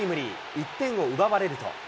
１点を奪われると。